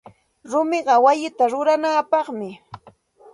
Rumiqa wayita ruranapaqmi.